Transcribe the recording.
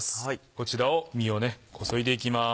こちらを実をこそいでいきます。